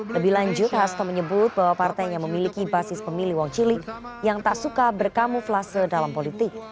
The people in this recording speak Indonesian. lebih lanjut hasto menyebut bahwa partainya memiliki basis pemilih wong cilik yang tak suka berkamuflase dalam politik